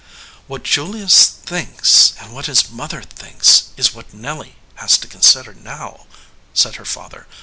"What Julius thinks and what his mother thinks is what Nelly has to consider now," said her father.